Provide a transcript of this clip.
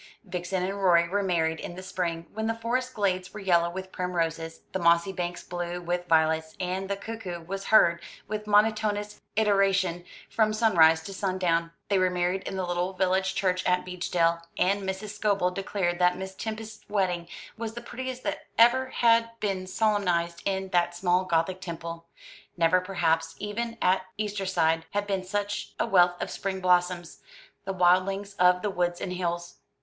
Vixen and Rorie were married in the spring, when the forest glades were yellow with primroses, the mossy banks blue with violets, and the cuckoo was heard with monotonous iteration from sunrise to sundown. They were married in the little village church at Beechdale, and Mrs. Scobel declared that Miss Tempest's wedding was the prettiest that ever had been solemnised in that small Gothic temple. Never, perhaps, even at Eastertide, had been seen such a wealth of spring blossoms, the wildlings of the woods and hills.